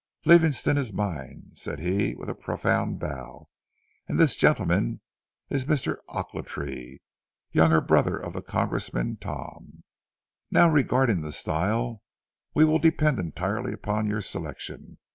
"'Livingstone is mine,' said he with a profound bow,' and this gentleman is Mr. Ochiltree, youngest brother of Congressman Tom. Now regarding the style, we will depend entirely upon your selection.